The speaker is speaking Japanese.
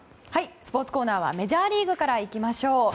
スポーツコーナーはメジャーリーグからです。